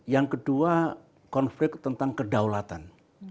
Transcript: yang kedua konflik tentang kedaulatan